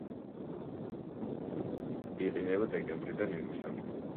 იყინება დეკემბრიდან ივნისამდე.